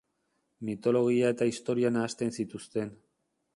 Mitologia eta historia nahasten zituzten.